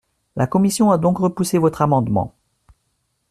La commission a donc repoussé votre amendement.